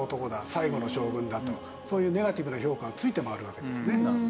最後の将軍だとそういうネガティブな評価はついて回るわけですね。